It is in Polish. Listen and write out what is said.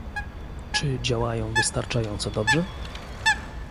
Czy działają wystarczająco dobrze?